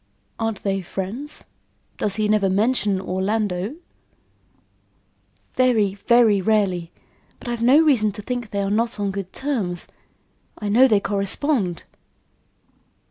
"Aren't they friends? Does he never mention Orlando?" "Very, very rarely. But I've no reason to think they are not on good terms. I know they correspond."